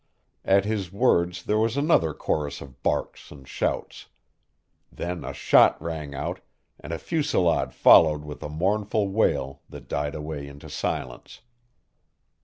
At his words there was another chorus of barks and shouts. Then a shot rang out, and a fusillade followed with a mournful wail that died away into silence.